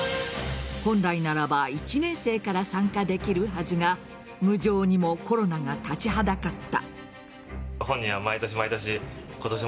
本来ならば１年生から参加できるはずが無情にもコロナが立ちはだかった。